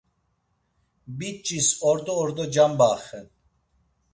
Biç̌is ordo ordo cambaxen.